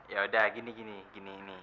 ya udah gini gini gini nih